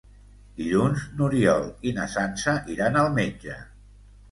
Dilluns n'Oriol i na Sança iran al metge.